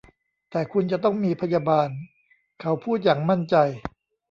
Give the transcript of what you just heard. แต่คุณจะต้องมีพยาบาล เขาพูดอย่างมั่นใจ